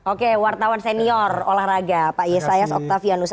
oke wartawan senior olahraga pak yesayas oktavianus